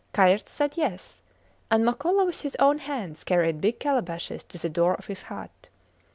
Kayerts said yes, and Makola, with his own hands carried big calabashes to the door of his hut.